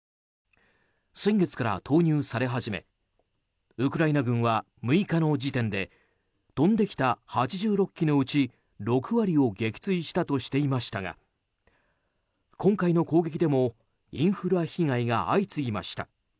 先月から投入され始めウクライナ軍は、６日の時点で飛んできた８６機のうち６割を撃墜したとしていましたが今回の攻撃でもインフラ被害が相次ぎました。